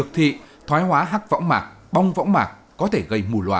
thị thoái hóa hắc võng mạc bong võng mạc có thể gây mù loà